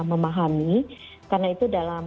memahami karena itu dalam